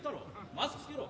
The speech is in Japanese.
マスクつけろ。